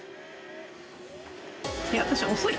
私遅い？